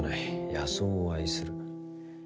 野草を愛する。